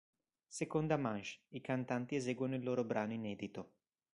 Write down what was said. Seconda manche: i cantanti eseguono il loro brano inedito.